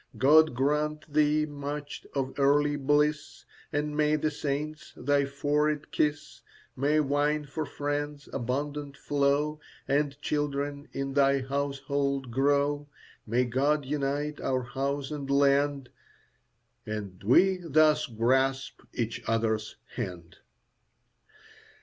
God grant thee much of earthly bliss, And may the saints thy forehead kiss. May wine for friends abundant flow, And children in thy household grow. May God unite our house and land, As we thus grasp each other's hand.